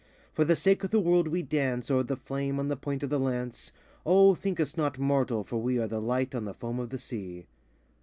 For the sake of the world we dance O'er the flame, on the point of the lance. O, think us not mortal, for we Are the light on the foam of the sea.